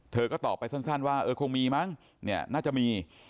เธอก็ตอบไปสั้นว่าเออคงมีมั้งเนี่ยน่าจะมี